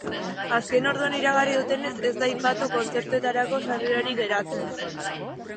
Azken orduan iragarri dutenez, ez da aipatu kontzertuetarako sarrerarik geratzen.